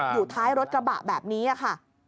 อยู่ท้ายรถกระบะแบบนี้ค่ะ